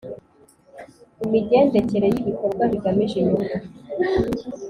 Imigendekere y ibikorwa bigamije inyungu